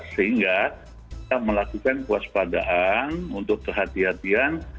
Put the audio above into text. sehingga kita melakukan puas padaan untuk kehati hatian